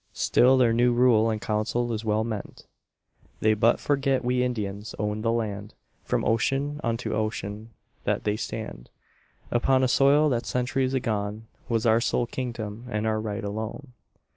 Still their new rule and council is well meant. They but forget we Indians owned the land From ocean unto ocean; that they stand Upon a soil that centuries agone Was our sole kingdom and our right alone.